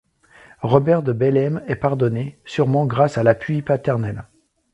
Robert de Bellême est pardonné, sûrement grâce à l'appui paternel.